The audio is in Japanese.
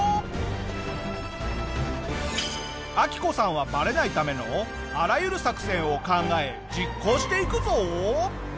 アキコさんはバレないためのあらゆる作戦を考え実行していくぞ！